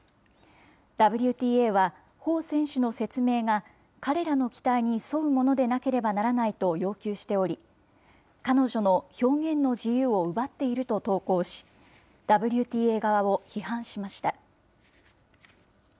ＷＴＡは彭選手の説明が、彼らの期待に沿うものでなければならないと要求しており、彼女の表現の自由を奪っていると投稿し、ＷＴＡ側を批判しました。